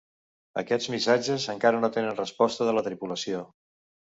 Aquests missatges encara no tenen resposta de la tripulació.